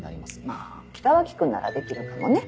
まぁ北脇君ならできるかもね。